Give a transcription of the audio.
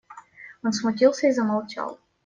Он смутился и замолчал.